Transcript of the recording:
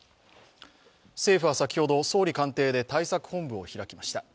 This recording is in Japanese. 政府は先ほど総理官邸で対策本部を開きました。